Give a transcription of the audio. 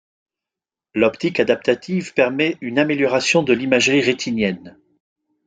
L'optique adaptative permet une amélioration de l'imagerie rétinienne.